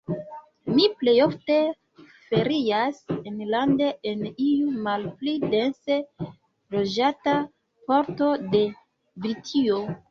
Mi plejofte ferias enlande, en iu malpli dense loĝata parto de Britio.